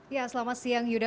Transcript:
ya selama siang yuda